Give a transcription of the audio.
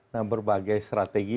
nah berbagai strategi